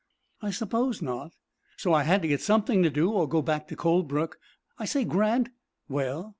"I suppose not." "So I had to get something to do, or go back to Colebrook. I say, Grant " "Well?"